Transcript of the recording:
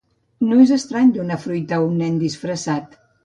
No és estrany donar fruita a un nen disfressat.